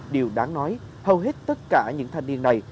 điều đáng nói hầu hết tất cả những thanh niên này